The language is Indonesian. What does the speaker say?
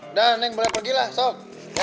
udah neng boleh pergi lah sok